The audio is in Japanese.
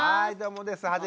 はいどうもです。